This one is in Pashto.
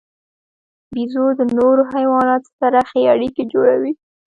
بیزو د نورو حیواناتو سره ښې اړیکې جوړوي.